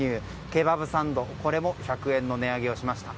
ケバブサンドも１００円の値上げをしました。